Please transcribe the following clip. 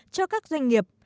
cho các doanh nghiệp